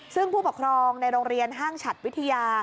ซึ่งผู้ปกครองในโรงเรียนห้างฉัดวิทยา